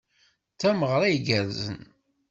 D tameɣra igerrzen.